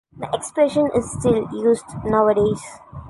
The expression is still used nowadays.